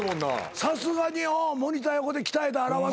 さすがモニター横で鍛えた荒技。